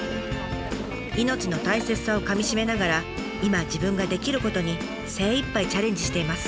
命の大切さをかみしめながら今自分ができることに精いっぱいチャレンジしています。